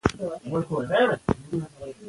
دا کتاب زموږ په ژوند کې مثبت بدلون راولي.